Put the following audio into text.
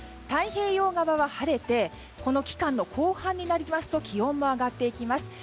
太平洋側は晴れてこの期間の後半になりますと気温も上がっていきます。